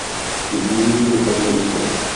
Je důležitým dopravním uzlem.